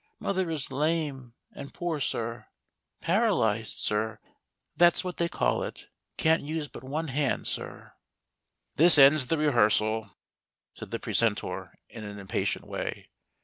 mother is lame and poor, sir — paralyzed, sir: that's what they call it — can't use but one hand, sir." " This ends the rehearsal," said the precentor in an impatient way.